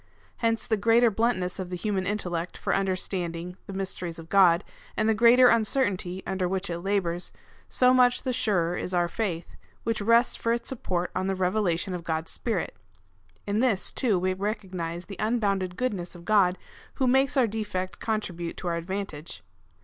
Hence the greater the bluntness of the human intellect for understanding the mysteries of God, and the greater the uncertainty under which it labours, so much the surer is our faith, which rests for its su23port on the revelation of God's Spirit. In this, too, we recognise the unbounded goodness of God, who makes our defect contribute to our advantage.